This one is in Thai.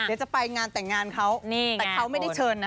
เดี๋ยวจะไปงานแต่งงานเขาแต่เขาไม่ได้เชิญนะ